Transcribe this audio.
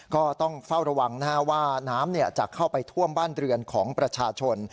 ก็ต้องเฝ้าระวังว่าน้ำจะเข้าไปท่วมบ้านเรือนของประชาชน